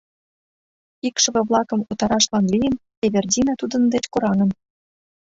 Икшыве-влакым утарашлан лийын, Эвердина тудын деч кораҥын...